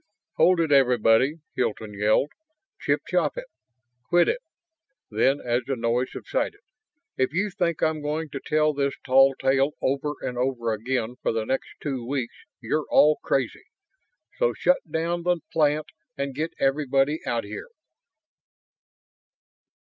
"Hold it, everybody!" Hilton yelled. "Chip chop it! Quit it!" Then, as the noise subsided, "If you think I'm going to tell this tall tale over and over again for the next two weeks you're all crazy. So shut down the plant and get everybody out here."